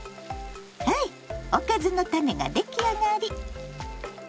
ハイおかずのタネが出来上がり。